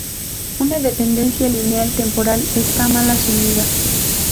Una dependencia lineal temporal está mal asumida.